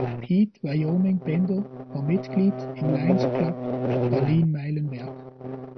Pete „Wyoming“ Bender war Mitglied im Lions Club Berlin-Meilenwerk.